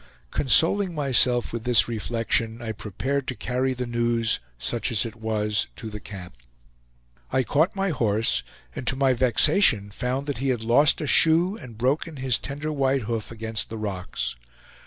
Consoling myself with this reflection, I prepared to carry the news, such as it was, to the camp. I caught my horse, and to my vexation found he had lost a shoe and broken his tender white hoof against the rocks.